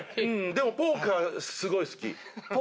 でもポーカーすごい好き。